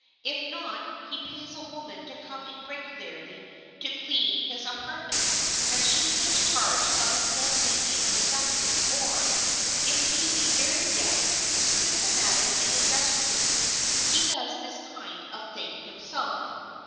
If not, he pays a woman to come in regularly to clean his apartment, and she takes charge of his bed making and dusting or,—if he be very deft, systematic and industrious,—he does this kind of thing himself.